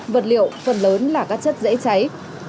vật liệu phần lớn là các chất dễ cháy